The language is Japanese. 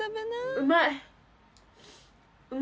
うまい！